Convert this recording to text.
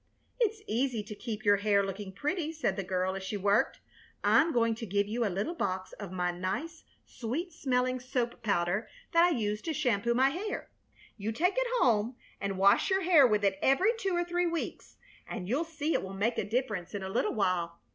"It's easy to keep your hair looking pretty," said the girl, as she worked. "I'm going to give you a little box of my nice sweet smelling soap powder that I use to shampoo my hair. You take it home and wash your hair with it every two or three weeks and you'll see it will make a difference in a little while.